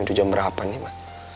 udah jam berapa nih ma